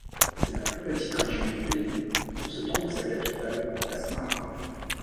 C'est la plus petite région du pays, où se trouve sa capitale, Asmara.